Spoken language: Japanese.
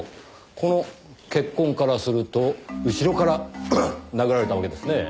この血痕からすると後ろから殴られたわけですねぇ。